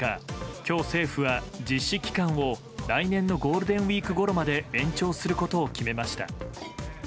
今日、政府は実施期間を来年のゴールデンウィークごろまで延長することを決めました。